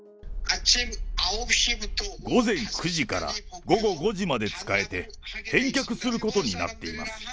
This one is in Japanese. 午前９時から午後５時まで使えて、返却することになっています。